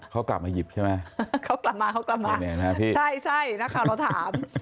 เขากลับมาหยิบใช่ไหมเขากลับมาเขากลับมาเนี่ยนะพี่ใช่ใช่นักข่าวเราถาม